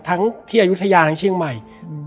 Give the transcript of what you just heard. ทั้งที่อายุทยาทั้งเชียงใหม่